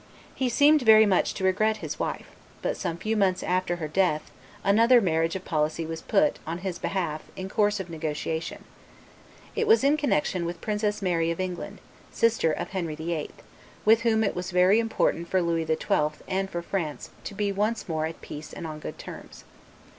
He seemed very much to regret his wife; but, some few months after her death, another marriage of policy was put, on his behalf, in course of negotiation. It was in connection with Princess Mary of England, sister of Henry VIII., with whom it was very important for Louis XII. and for France to be once more at peace and on good terms.